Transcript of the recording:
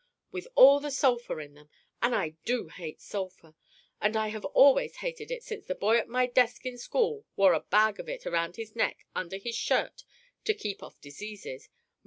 With all the sulphur in them! And I do hate sulphur, and I have always hated it since the boy at my desk in school wore a bag of it around his neck under his shirt to keep off diseases.